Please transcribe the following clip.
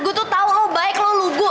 gue tuh tau oh baik lo lugu